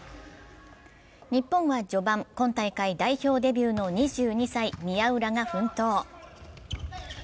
日本は序盤、今大会代表デビューの２２歳、宮浦が奮闘。